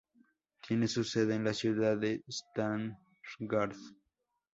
Tiene su sede en la ciudad de Stargard.